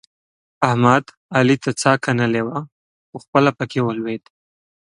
احمد؛ علي ته څا کنلې وه؛ خو خپله په کې ولوېد.